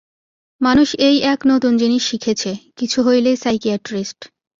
মানুষ এই এক নতুন জিনিশ শিখেছে, কিছু হলেই সাইকিয়াট্রিস্ট।